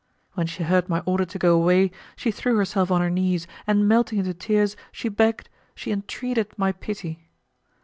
When she heard my order to go away, she threw herself on her knees, and melting into tears, she begged, she entreated my pity!